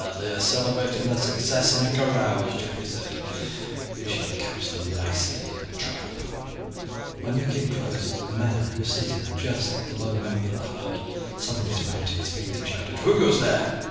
"They are celebrating their success in a carouse," Geoffrey said. "We shall catch them nicely in a trap." When they came close, a man who was sitting just at the low mouth of the hut suddenly sprang to his feet and shouted, "Who goes there?"